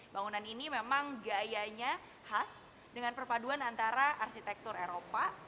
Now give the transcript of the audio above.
bangunan ini memang gayanya khas dengan perpaduan antara arsitektur eropa